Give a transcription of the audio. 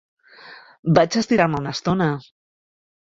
Vaig a estirar-me una estona.